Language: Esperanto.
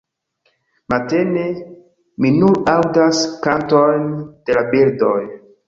Matene, mi nur aŭdas kantojn de la birdoj.